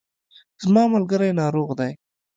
زما ملګری ناروغ دی